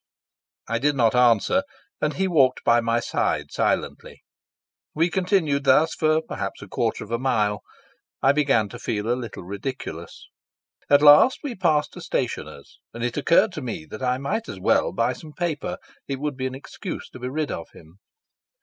I did not answer, and he walked by my side silently. We continued thus for perhaps a quarter of a mile. I began to feel a little ridiculous. At last we passed a stationer's, and it occurred to me that I might as well buy some paper. It would be an excuse to be rid of him.